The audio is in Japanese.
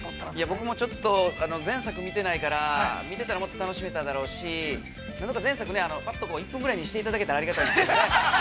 ◆僕もちょっと全作見てないから見てたらもっと楽しめただろうし、ぱっと１分ぐらいにしていただけたら。